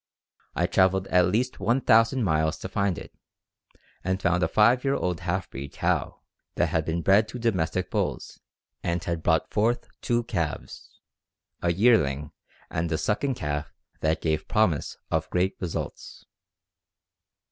I traveled at least 1,000 miles to find it, and found a five year old half breed cow that had been bred to domestic bulls and had brought forth two calves a yearling and a sucking calf that gave promise of great results.